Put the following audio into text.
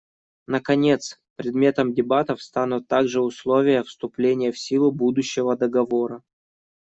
Наконец, предметом дебатов станут также условия вступления в силу будущего договора.